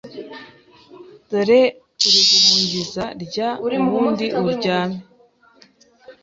Dore uriguhungiza Rya ubundi uryame